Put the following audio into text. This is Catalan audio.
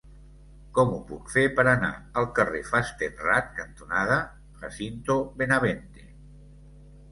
Com ho puc fer per anar al carrer Fastenrath cantonada Jacinto Benavente?